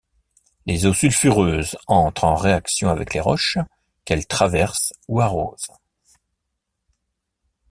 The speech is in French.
Les eaux sulfureuses entrent en réaction avec les roches qu'elles traversent ou arrosent.